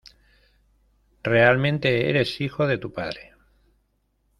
Realmente eres hijo de tu padre.